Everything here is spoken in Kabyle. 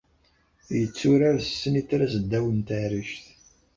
Yetturar s ssnitra-s ddaw n teɛrict